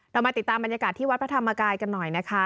มาติดตามบรรยากาศที่วัดพระธรรมกายกันหน่อยนะคะ